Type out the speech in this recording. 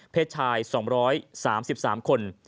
เพศชาย๒๓๓คน